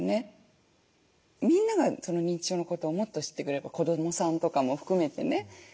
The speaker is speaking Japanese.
みんなが認知症のことをもっと知ってくれれば子どもさんとかも含めてね